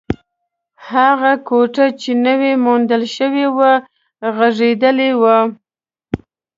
هغه کوټه چې نوې موندل شوې وه، غږېدلې وه.